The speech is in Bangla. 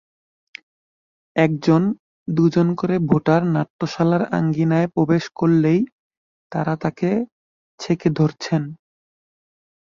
একজন, দুজন করে ভোটার নাট্যশালার আঙিনায় প্রবেশ করলেই তাঁরা তাঁকে ছেঁকে ধরছেন।